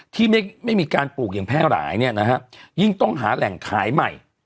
ที่ไม่มีการปลูกอย่างแพร่หลายเนี่ยนะฮะยิ่งต้องหาแหล่งขายใหม่